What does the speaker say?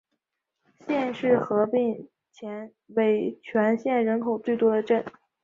县市合并前为全县人口最多的镇。